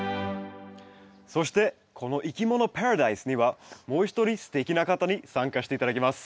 そしてこの「いきものパラダイス」にはもう一人すてきな方に参加して頂きます。